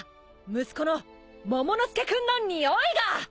息子のモモの助君のにおいが！